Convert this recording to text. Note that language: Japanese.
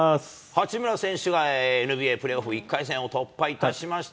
八村選手がＮＢＡプレーオフ１回戦を突破いたしました。